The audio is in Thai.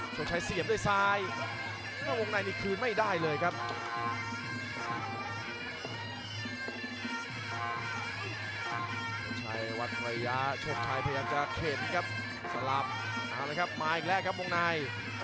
โชคชัยเสียบด้วยทิ่งสาย